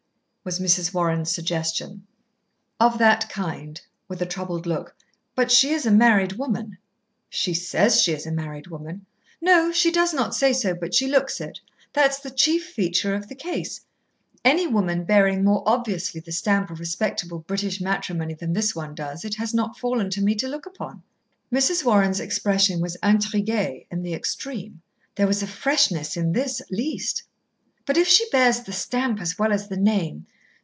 was Mrs. Warren's suggestion. "Of that kind," with a troubled look; "but she is a married woman." "She says she is a married woman." "No. She does not say so, but she looks it. That's the chief feature of the case. Any woman bearing more obviously the stamp of respectable British matrimony than this one does, it has not fallen to me to look upon." Mrs. Warren's expression was intriguée in the extreme. There was a freshness in this, at least. "But if she bears the stamp as well as the name